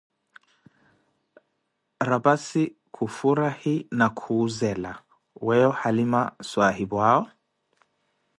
Raphassi khufurahi na kuh'zela: weeyo, halima swahiphu'awo?